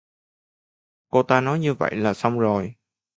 Cô ta Nói như vậy là xong rồi